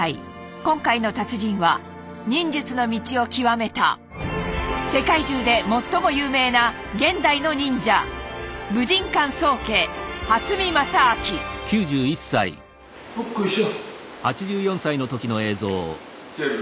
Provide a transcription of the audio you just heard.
今回の達人は忍術の道を究めた世界中で最も有名な現代の忍者よっこいしょ。